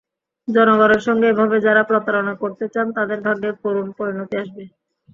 জনগণের সঙ্গে এভাবে যারা প্রতারণা করতে চান, তাঁদের ভাগ্যে করুণ পরিণতি আসবে।